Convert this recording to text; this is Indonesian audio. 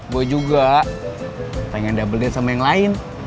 gue juga pengen double dead sama yang lain